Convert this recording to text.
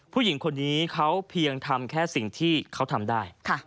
ผู้หญิงคนนี้เขาเพียงทำแค่สิ่งที่เขาทำได้